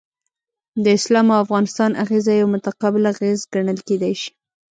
د اسلام او افغانستان اغیزه یو متقابل اغیز ګڼل کیدای شي.